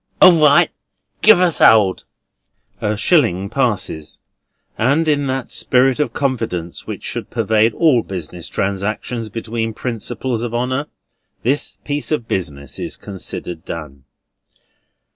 "All right. Give us 'old." A shilling passes; and, in that spirit of confidence which should pervade all business transactions between principals of honour, this piece of business is considered done.